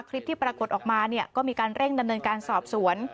คลิปที่ปรากฏออกมาเนี่ยก็มีการเร่งดำเนินการสอบสวน